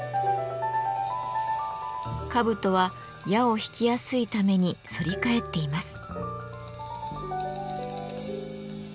兜は矢を引きやすいために反り返っています。